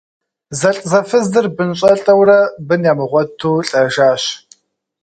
Зэлӏзэфызыр бынщӏэлӏэурэ, бын ямыгъуэту лӏэжащ.